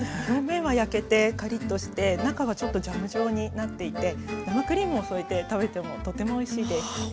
表面は焼けてカリッとして中はちょっとジャム状になっていて生クリームを添えて食べてもとてもおいしいです。